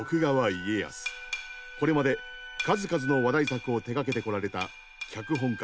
これまで数々の話題作を手がけてこられた脚本家